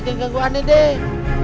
jangan ganggu aneh deh